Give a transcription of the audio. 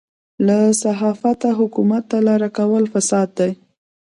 له صحافته حکومت ته لاره کول فساد دی.